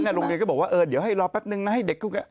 โรงเรียนก็บอกว่าเออเดี๋ยวให้รอแป๊บนึงนะให้เด็ก